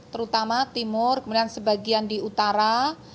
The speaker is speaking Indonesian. terutama timur kemudian sebagian di utara